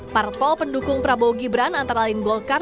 parpol pendukung prabowo gibran antara lain golkar